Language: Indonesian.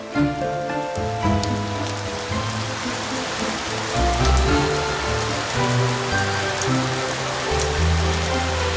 kita lagi berjalan dari dekat